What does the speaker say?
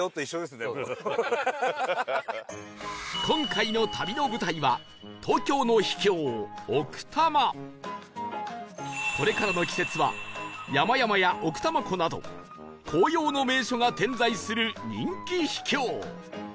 今回の旅の舞台はこれからの季節は山々や奥多摩湖など紅葉の名所が点在する人気秘境